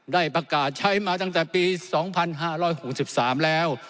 ได้ประกาศใช้มาตั้งแต่ปี๒๕๖๓แล้ว